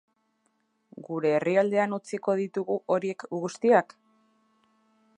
Gure herrialdean utziko ditugu horiek guztiak?